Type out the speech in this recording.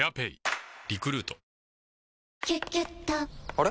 あれ？